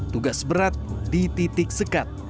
tugas berat di titik sekat